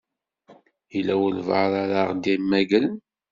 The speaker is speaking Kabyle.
Yella walebɛaḍ ara ɣ-d-imagren?